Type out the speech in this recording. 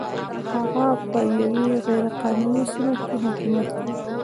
هغه پر یوې غیر قانوني سیمه کې حکومت کاوه.